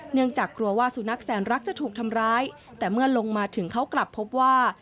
เนื่องจากกลัวว่าสุนัขแสนรักจะถูกทำร้ายแต่เมื่อลงมาถึงเขากลับพบว่า